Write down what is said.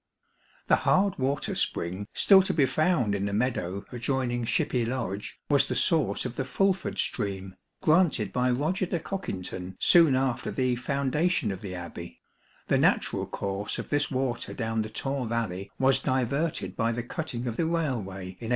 The hard water spring still to be found in the meadow adjoining Shiphay Lodge was the source of the " Fulforde " stream, granted by "Eoger de Cokintun " soon after the foundation of the Abbey; the natural course of this water down the Torre Valley was diverted by the cutting of the railway in 1847.